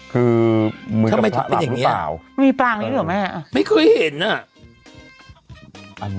คือมืออาทิตย์บาปรึกเปล่าทำไมลูกเป็นอย่างนี้